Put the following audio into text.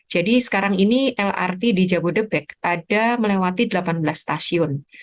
jadi sekarang ini lrt di jabodebek ada melewati delapan belas stasiun